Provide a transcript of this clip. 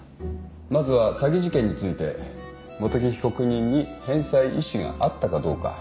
まずは詐欺事件について元木被告人に返済意思があったかどうか。